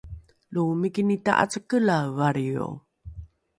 lo mikini ta’acakelae valrio